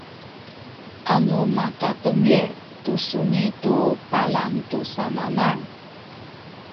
anu makatengil tu suni nu palang tu sananal